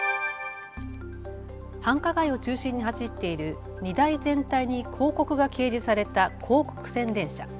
繁華街を中心に走っている荷台全体に広告が掲示された広告宣伝車。